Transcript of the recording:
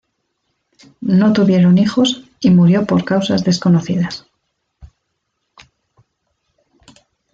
No tuvieron hijos y murió por causas desconocidas.